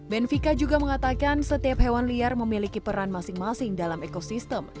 benvika juga mengatakan setiap hewan liar memiliki peran masing masing dalam ekosistem